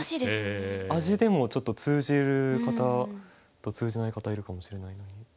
「アジ」でもちょっと通じる方と通じない方いるかもしれないのに。